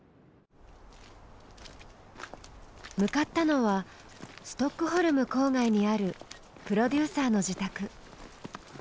向かったのはストックホルム郊外にあるプロデューサーの自宅。